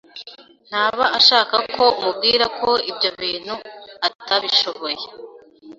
ntaba ashaka ko umubwira ko ibyo bintu atabishoboye,